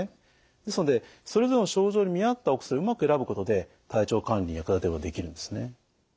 ですのでそれぞれの症状に見合ったお薬をうまく選ぶことで体調管理に役立てることができるんですね。